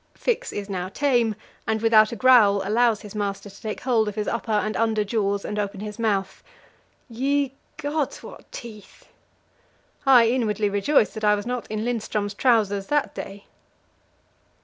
Fix is now tame, and without a growl allows his master to take hold of his upper and under jaws and open his mouth ye gods, what teeth! I inwardly rejoice that I was not in Lindström's trousers that day.